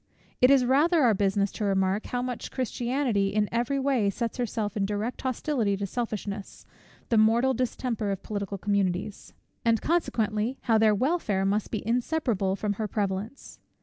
It is rather our business to remark, how much Christianity in every way sets herself in direct hostility to selfishness, the mortal distemper of political communities; and consequently, how their welfare must be inseparable from her prevalence.